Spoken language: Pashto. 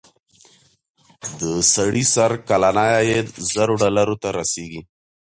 د سړي سر کلنی عاید زر ډالرو ته رسېږي.